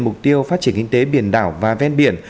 mục tiêu phát triển kinh tế biển đảo và ven biển